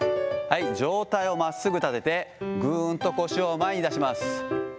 状態をまっすぐ立てて、ぐーんと腰を前に出します。